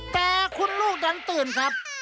แต่คุณลูกดันตื่นครับ